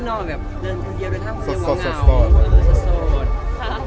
ว่าเขาเดินคนเดียวก็หากกลับติดรถจะติดละรวัง